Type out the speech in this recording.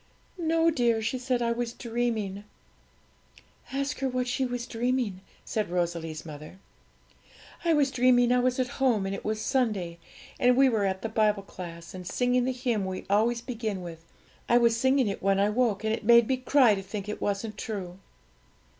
'No, dear,' she said; 'I was dreaming.' 'Ask her what she was dreaming,' said Rosalie's mother. 'I was dreaming I was at home, and it was Sunday, and we were at the Bible class, and singing the hymn we always begin with, I was singing it when I woke, and it made me cry to think it wasn't true.'